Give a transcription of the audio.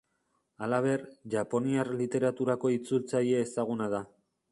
Halaber, japoniar literaturako itzultzaile ezaguna da.